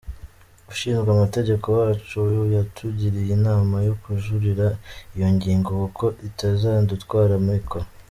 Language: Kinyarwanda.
Ushinzwe amategeko wacu yatugiriye inama yo kujuririra iyi ngingo kuko itazadutwara amikoro.